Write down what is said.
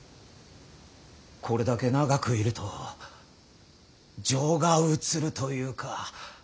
これだけ長くいると情が移るというか。